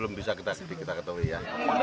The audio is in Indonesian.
belum bisa kita sedih kita ketahui ya